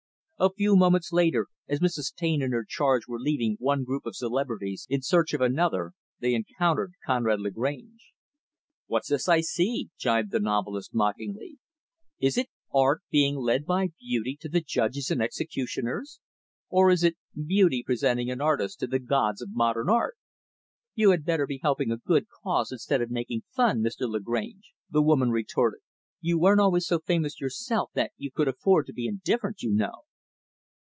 A few moments later, as Mrs. Taine and her charge were leaving one group of celebrities in search of another they encountered Conrad Lagrange. "What's this I see?" gibed the novelist, mockingly. "Is it 'Art being led by Beauty to the Judges and Executioners'? or, is it 'Beauty presenting an Artist to the Gods of Modern Art'?" "You had better be helping a good cause instead of making fun, Mr. Lagrange," the woman retorted. "You weren't always so famous yourself that you could afford to be indifferent, you know."